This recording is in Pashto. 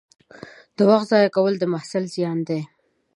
د وخت ضایع کول د محصل زیان دی.